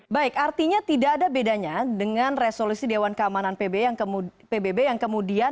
baik artinya tidak ada bedanya dengan resolusi dewan keamanan pbb yang kemudian